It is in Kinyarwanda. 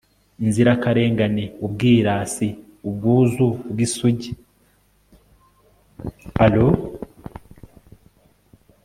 inzirakarengane, ubwirasi, ubwuzu bw'isugi